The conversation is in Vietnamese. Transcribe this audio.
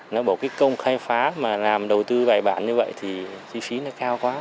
nó bảo cái công khai phá mà làm đầu tư bài bản như vậy thì chi phí nó cao quá